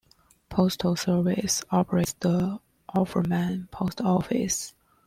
Postal Service operates the Offerman Post Office.